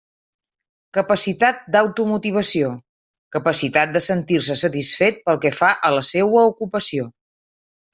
Capacitat d'automotivació: capacitat de sentir-se satisfet pel que fa a la seua ocupació.